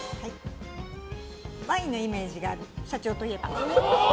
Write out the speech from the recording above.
ワインのイメージがある社長といえば。